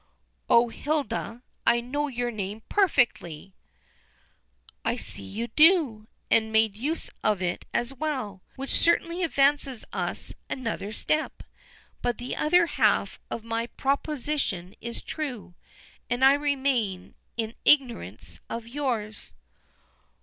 "Oh, Hilda, I know your name perfectly!" "I see you do, and make use of it as well, which certainly advances us another step. But the other half of my proposition is true, and I remain in ignorance of yours."